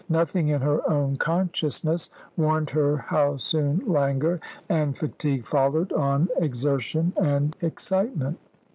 Nothing in her own consciousness warned her how soon languor and fatigue followed on exertion and excitement.